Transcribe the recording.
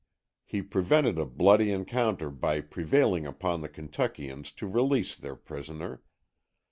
He prevented a bloody encounter by prevailing upon the Kentuckians to release their prisoner.